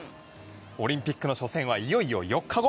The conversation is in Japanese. オリンピックの初戦はいよいよ４日後。